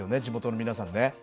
地元の皆さんね。